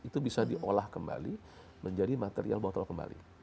itu bisa diolah kembali menjadi material botol kembali